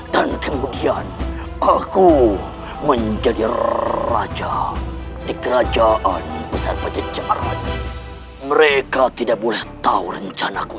tanpa kemudian aku menjadi diferaja di kerajaan besar pencecat merata tidak boleh tahu rencanaku